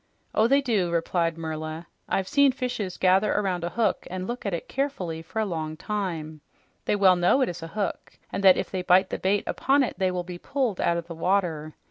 "Oh, they do," replied Merla. "I've seen fishes gather around a hook and look at it carefully for a long time. They all know it is a hook and that if they bite the bait upon it they will be pulled out of the water.